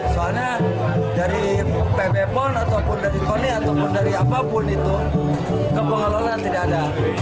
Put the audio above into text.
soalnya dari pb pon ataupun dari koni ataupun dari apapun itu ke pengelolaan tidak ada